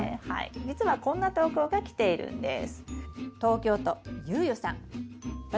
じつはこんな投稿が来ているんです。